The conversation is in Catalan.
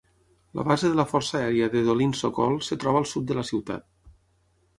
La base de la força aèria de Dolinsk-Sokol es troba al sud de la ciutat.